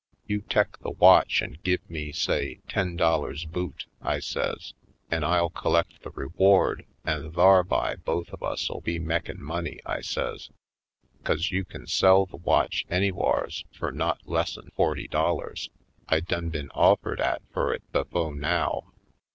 You tek the watch an' give me, say ten dollars boot," I says, "an' I'll collect the reward an' thar'by both of us '11 be mekin' money," I says; " 'cause you kin sell the watch anywhars fur not lessen forty dollars. I done been offered 'at fur it befo' now."